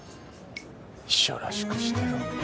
秘書らしくしてろ。